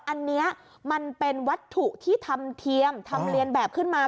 อันนี้มันเป็นวัตถุที่ทำเทียมทำเรียนแบบขึ้นมา